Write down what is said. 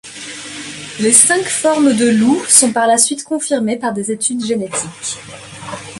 Les cinq formes de loups sont par la suite confirmées par des études génétiques.